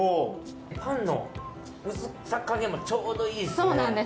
パンの薄さ加減もちょうどいいですね。